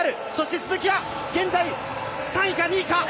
鈴木は現在、３位か２位か？